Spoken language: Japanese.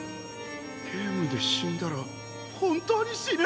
ゲームで死んだら本当に死ぬ！？